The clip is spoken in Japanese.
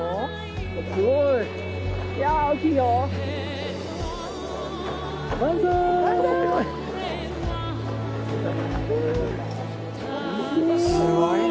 「すごいね！」